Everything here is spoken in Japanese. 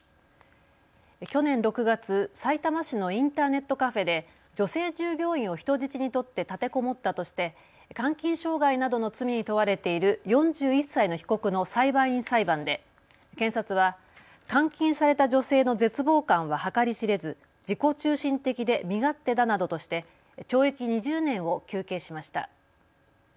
去年６月、さいたま市のインターネットカフェで女性従業員を人質に取って立てこもったとして監禁傷害などの罪に問われている４１歳の被告の裁判員裁判で検察は、監禁された女性の絶望感は計り知れず自己中心的で身勝手だなどとして懲役２０年を求刑しました。